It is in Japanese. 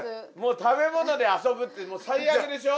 食べ物で遊ぶってもう最悪でしょう？